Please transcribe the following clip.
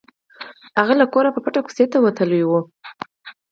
هغه له کوره په پټه کوڅې ته وتلی و